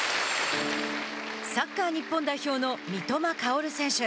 サッカー日本代表の三笘薫選手。